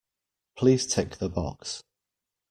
Please tick the box